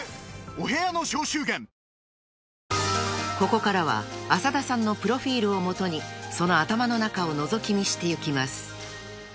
［ここからは浅田さんのプロフィルをもとにその頭の中をのぞき見していきます］